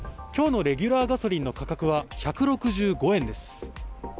今日のレギュラーガソリンの価格は１６５円です。